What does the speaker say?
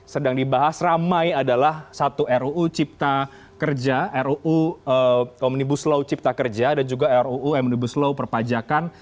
sedang dibahas ramai adalah satu ruu cipta kerja ruu omnibus law cipta kerja dan juga ruu omnibus law perpajakan